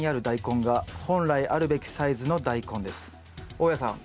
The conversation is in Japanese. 大家さん